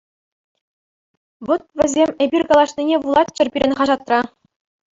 Вӑт, вӗсем эпир калаҫнине вулаччӑр пирӗн хаҫатра.